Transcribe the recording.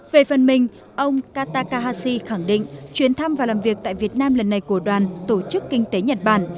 về phần mình ông kata kahasi khẳng định chuyến thăm và làm việc tại việt nam lần này của đoàn tổ chức kinh tế nhật bản